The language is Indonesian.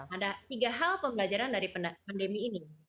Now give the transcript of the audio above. ada tiga hal pembelajaran dari pandemi ini